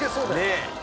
ねえ。